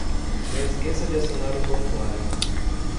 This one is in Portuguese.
Não esqueça de assinar o formulário.